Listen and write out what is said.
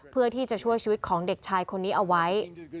เพื่อที่จะช่วยชีวิตของเด็กชายคนนี้เอาไว้